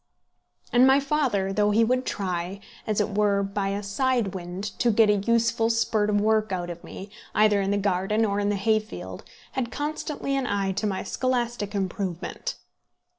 And my father, though he would try, as it were by a side wind, to get a useful spurt of work out of me, either in the garden or in the hay field, had constantly an eye to my scholastic improvement.